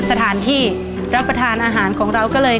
สถานที่รับประทานอาหารของเราก็เลย